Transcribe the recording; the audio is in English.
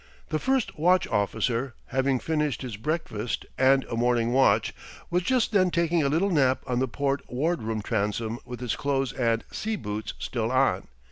The first watch officer, having finished his breakfast and a morning watch, was just then taking a little nap on the port ward room transom with his clothes and sea boots still on.